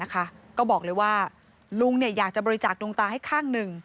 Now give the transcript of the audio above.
ก็บอกเลยว่าลุงอยากจะบริจาคดวงตาให้ข้างหนึ่ง